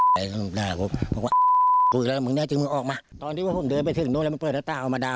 พอมีคนเดินมา